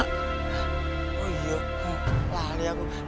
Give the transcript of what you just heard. oh iya lah liat gue